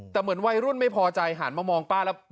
แต่เหมือนวัยรุ่นไม่พอใจหันมามองป้าแล้ว